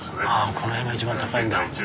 この辺が一番高いんだ。